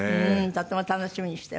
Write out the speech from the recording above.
とっても楽しみにしてます。